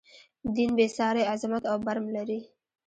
دین بې ساری عظمت او برم لري.